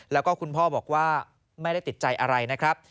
แล้วก็คุณพ่อบอกว่าไม่ได้ติดใจอะไรนะครับ